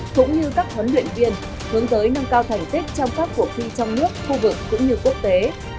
cũng như các huấn luyện viên hướng tới nâng cao thành tích trong các cuộc thi trong nước khu vực cũng như quốc tế